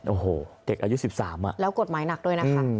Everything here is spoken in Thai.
โอ้โหเด็กอายุ๑๓แล้วกฎหมายหนักด้วยนะคะ